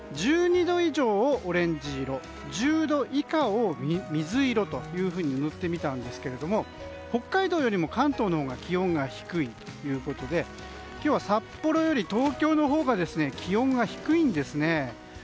１２度以上をオレンジ色１０度以下を水色と塗ってみたんですが北海道よりも関東のほうが気温が低いということで今日は札幌より東京のほうが気温が低いんですね。